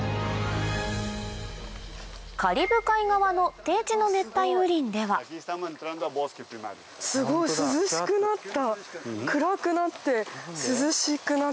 カリブ海側の低地の熱帯雨林ではすごい涼しくなった。